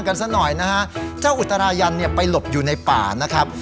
ซะหน่อยนะฮะเจ้าอุตรายันเนี่ยไปหลบอยู่ในป่านะครับ